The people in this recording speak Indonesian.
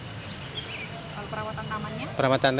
kalau perawatan tamannya